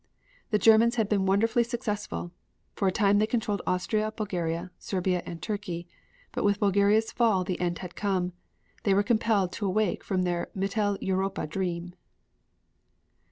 The Germans had been wonderfully successful. For a time they controlled Austria, Bulgaria, Serbia and Turkey, but with Bulgaria's fall the end had come. They were compelled to awake from their Mittel Europa dream.